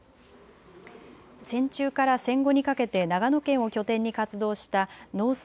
戦中から戦後にかけて長野県を拠点に活動した野生司